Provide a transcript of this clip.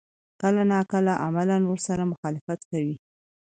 کله نا کله عملاً ورسره مخالفت کوي.